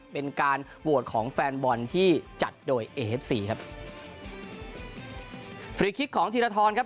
เป็นการโวดของแฟนบอลที่จัดโดยเอเฮ็ดซีครับของภาร์ทองครับ